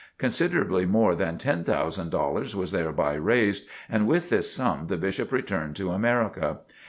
Considerably more than ten thousand dollars was thereby raised, and with this sum the Bishop returned to America.